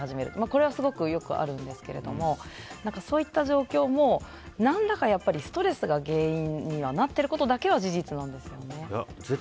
これはすごくよくあるんですがそういった状況も何らかのストレスが原因にはなってることだけは事実なんですよね。